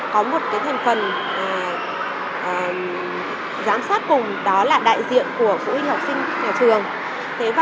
có một cái thành phần giám sát cùng đó là đại diện của phụ huynh học sinh nhà trường thế và